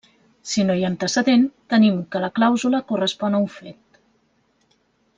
Si no hi ha antecedent, tenim que la clàusula correspon a un fet.